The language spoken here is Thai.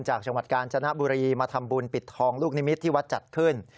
จังหวัดกาญจนบุรีมาทำบุญปิดทองลูกนิมิตรที่วัดจัดขึ้น